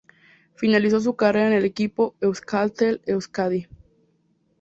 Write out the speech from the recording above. Finalizó su carrera en el equipo Euskaltel Euskadi.